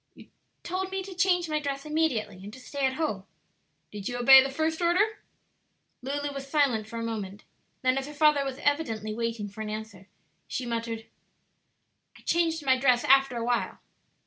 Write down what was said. "You told me to change my dress immediately and to stay at home." "Did you obey the first order?" Lulu was silent for a moment; then as her father was evidently waiting for an answer, she muttered, "I changed my dress after a while."